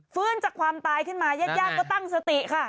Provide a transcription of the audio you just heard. ฟื้นจากความตายขึ้นมายัดก็ตั้งสติค่ะ